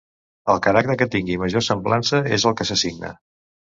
El caràcter que tingui major semblança és el que s’assigna.